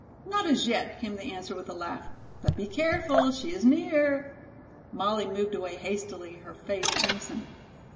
"Not as yet," came the answer with a laugh. "But be careful, she is near " Molly moved away hastily, her face crimson.